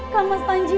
kang mas panji